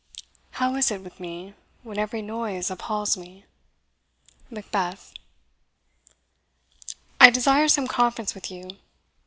How is't with me, when every noise appals me? MACBETH. "I desire some conference with you."